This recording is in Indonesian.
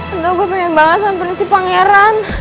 aduh gue pengen banget samperin si pangeran